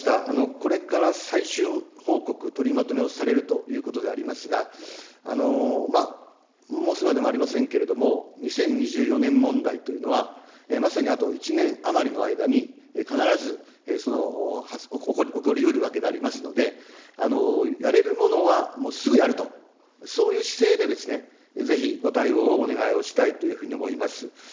これから最終報告取りまとめをされるということでありますが、申すまでもありませんけれども、２０２４年問題というのは、まさにあと１年余りの間に、必ず起こりうるわけでありますので、やれるものは、もうすぐやると、そういう姿勢でですね、ぜひご対応をお願いをしたいというふうに思います。